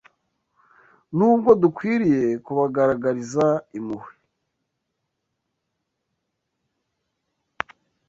Nubwo dukwiriye kubagaragariza impuhwe,